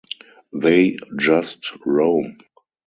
They just roam.